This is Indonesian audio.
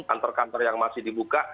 kantor kantor yang masih dibuka